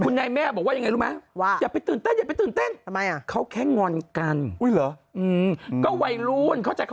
คุณนายแม่บอกว่าอย่างไรรู้มั้ย